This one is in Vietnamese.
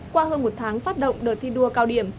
qua hơn một tháng phát động đợt thi đua cao điểm